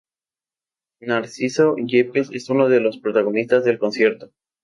Narciso Yepes es uno de los protagonistas del concierto.